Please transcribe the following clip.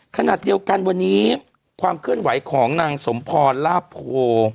ขณะเดียวกันวันนี้ความเคลื่อนไหวของนางสมพรลาโพ